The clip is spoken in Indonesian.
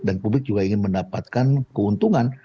dan publik juga ingin mendapatkan keuntungan